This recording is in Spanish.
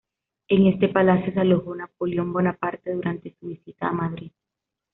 En este palacio se alojó Napoleón Bonaparte durante su visita a Madrid.